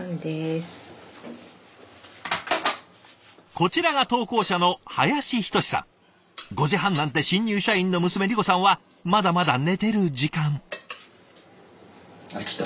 こちらが５時半なんて新入社員の娘莉子さんはまだまだ寝てる時間。